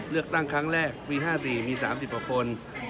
เลือกตั้งครั้งแรกปี๕๔มี๓๐กว่าคน